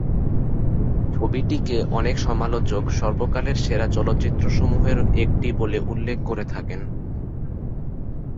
ছবিটিকে অনেক সমালোচক সর্বকালের সেরা চলচ্চিত্রসমূহের একটি বলে উল্লেখ করে থাকেন।